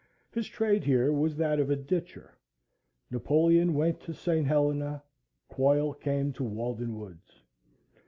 His trade here was that of a ditcher. Napoleon went to St. Helena; Quoil came to Walden Woods.